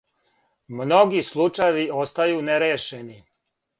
Многи случајеви остају нерешени.